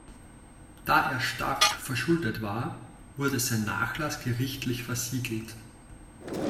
Da er stark verschuldet war, wurde sein Nachlass gerichtlich versiegelt.